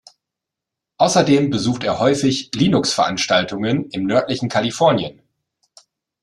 Außerdem besucht er häufig Linux-Veranstaltungen im nördlichen Kalifornien.